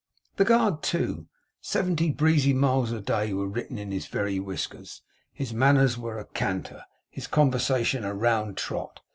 The guard, too! Seventy breezy miles a day were written in his very whiskers. His manners were a canter; his conversation a round trot.